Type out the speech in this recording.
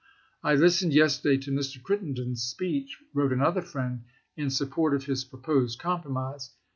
" I listened yesterday to Mr. Crittenden's speech," wrote another friend, " in support of his proposed compromise.